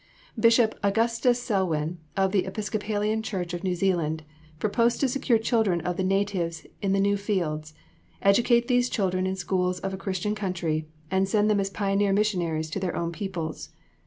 ] Bishop Augustus Selwyn, of the Episcopalian Church of New Zealand, proposed to secure children of the natives in the new fields, educate these children in schools of a Christian country, and send them as pioneer missionaries to their own peoples.